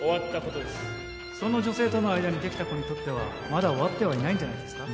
その女性との間にできた子にとってはまだ終わってはいないんじゃないですか？